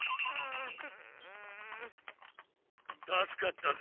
助かったぜ。